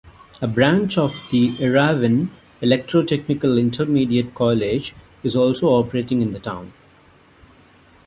A branch of the Yerevan electro-technical intermediate college is also operating in the town.